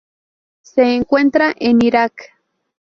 Se encuentra en Irak.